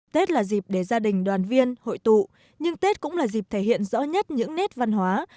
tết là dịp để gia đình đoàn viên hội tụ nhưng tết cũng là dịp thể hiện rõ nhất những nét văn hóa